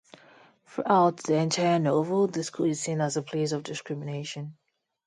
Throughout the entire novel, this school is seen as a place of discrimination.